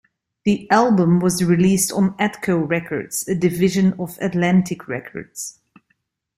The album was released on Atco Records, a division of Atlantic Records.